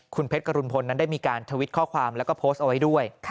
คุณเพชรกรุณพลนั้นได้มีการทวิตข้อความแล้วก็โพสต์เอาไว้ด้วย